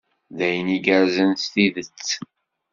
D ayen igerrzen s tidet.